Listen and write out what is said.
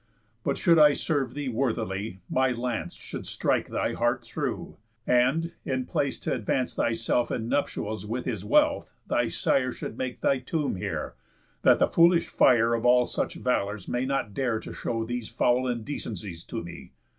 But should I serve thee worthily, my lance Should strike thy heart through, and, in place t' advance Thyself in nuptials with his wealth, thy sire Should make thy tomb here; that the foolish fire Of all such valours may not dare to show These foul indecencies to me.